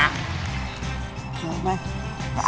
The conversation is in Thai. เสริมไหม